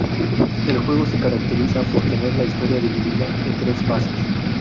El juego se caracteriza por tener la historia dividida en tres fases.